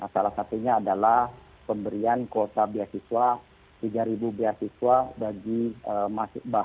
salah satunya adalah pemberian kuota beasiswa tiga beasiswa